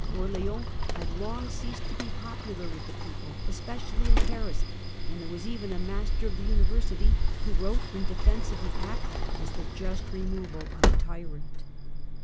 Orleans had long ceased to be popular with the people, especially in Paris, and there was even a Master of the University who wrote in defence of the act, as the just removal of a tyrant.